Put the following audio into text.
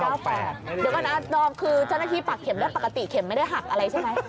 เดี๋ยวก่อนนะดอมคือเจ้าหน้าที่ปากเข็มได้ปกติเข็มไม่ได้หักอะไรใช่ไหม